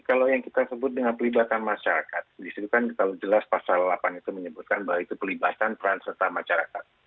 kalau yang kita sebut dengan pelibatan masyarakat disitu kan kita jelas pasal delapan itu menyebutkan bahwa itu pelibatan peran serta masyarakat